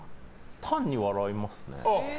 単に笑いますね。